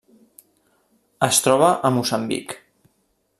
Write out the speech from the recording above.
Es troba a Moçambic.